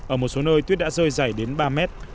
ở một số nơi tuyết đã rơi dày đến ba mét